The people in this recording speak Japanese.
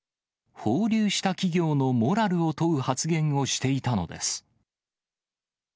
放流した企業のモラルを問う発言をしていたのです。